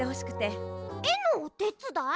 えのおてつだい？